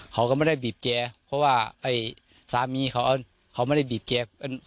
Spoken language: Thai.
เขาก็ไม่ได้บีบแกเพราะว่าไอ้สามีเขาไม่ได้บีบแก